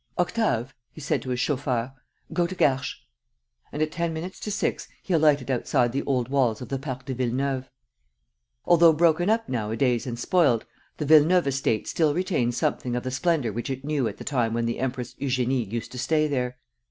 "Octave," he said to his chauffeur, "go to Garches." And at ten minutes to six he alighted outside the old walls of the Parc de Villeneuve. Although broken up nowadays and spoilt, the Villeneuve estate still retains something of the splendor which it knew at the time when the Empress Eugénie used to stay there.